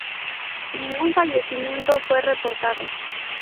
Ningún fallecimiento fue reportado.